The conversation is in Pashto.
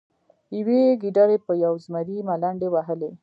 یوې ګیدړې په یو زمري ملنډې وهلې.